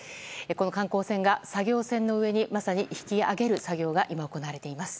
この観光船が作業船の上にまさに引き揚げる作業が今、行われています。